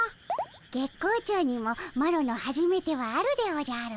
月光町にもマロのはじめてはあるでおじゃる。